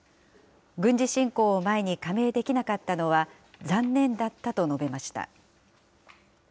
軍事侵攻を前に加盟できなかったのは残念だったと述べました。